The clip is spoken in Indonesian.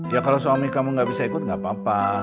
ya kalau suami kamu gak bisa ikut nggak apa apa